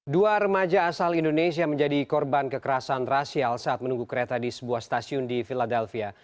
dua remaja asal indonesia menjadi korban kekerasan rasial saat menunggu kereta di sebuah stasiun di philadelphia